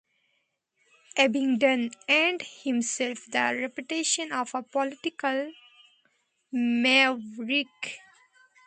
Abingdon earned himself the reputation of a political maverick.